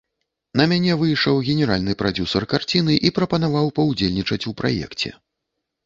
На мяне выйшаў генеральны прадзюсар карціны і прапанаваў паўдзельнічаць у праекце.